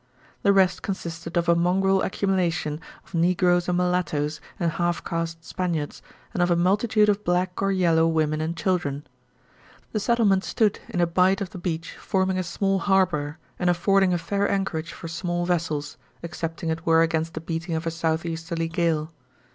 The rest consisted of a mongrel accumulation of negroes and mulattoes and half caste Spaniards, and of a multitude of black or yellow women and children. The settlement stood in a bight of the beach forming a small harbor and affording a fair anchorage for small vessels, excepting it were against the beating of a southeasterly gale.